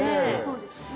そうですよね。